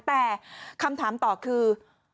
แต่คำถามต่อคือ